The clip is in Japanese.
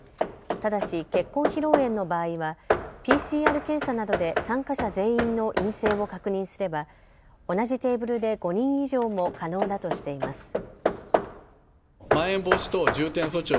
ただし結婚披露宴の場合はＰＣＲ検査などで参加者全員の陰性を確認すれば同じテーブルで５人以上も可能だとしています。